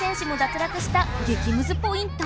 つらくした激ムズポイント。